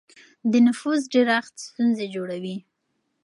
د نفوس ډېرښت ستونزې جوړوي.